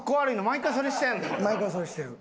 毎回それしてる。